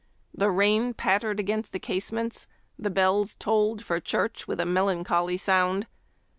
The rain pattered against the casements, the bells tolled for church with a melancholy sound.